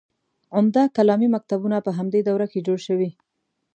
عمده کلامي مکتبونه په همدې دوره کې جوړ شوي.